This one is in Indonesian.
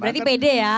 berarti pede ya